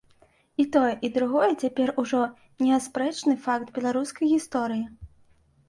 І тое, і другое цяпер ужо неаспрэчны факт беларускай гісторыі.